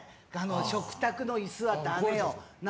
食卓の椅子はダメよ。